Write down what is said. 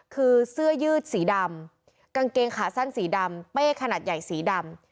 คือเสื้อยืดสีดำกางเกงขาสั้นสีดำเป้ขนาดใหญ่สีดำ